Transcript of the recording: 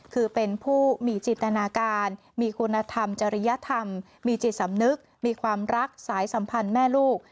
คือเป็นผู้มีจิตนาการมีคุณธรรมจริยธรรมมีจิตสำนึกมีความรักสายสัมพันธ์แม่ลูก